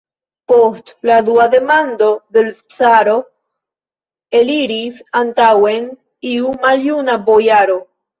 Post la dua demando de l' caro eliris antaŭen iu maljuna bojaro.